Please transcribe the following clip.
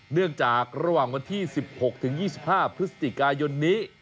เนื่องจากระหว่างวันที่๑๖๒๕พฤศจิกายนนี้